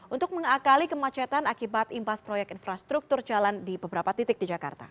untuk mengakali kemacetan akibat impas proyek infrastruktur jalan di beberapa titik di jakarta